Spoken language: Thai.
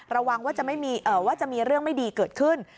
ระวังว่าจะมีเรื่องไม่ดีเกิดขึ้น